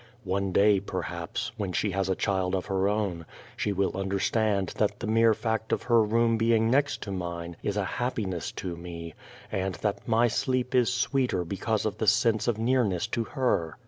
One day, perhaps, when she has a child of her own, she will understand that the mere fact of her room being next to mine is a happiness to me, and that my sleep is sweeter because of the sense 6 The Child Face of nearness to her.